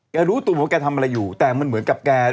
รู้ตัวว่าแกทำอะไรอยู่แต่มันเหมือนกับแก